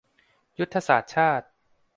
ยุทธศาสตร์ชาติ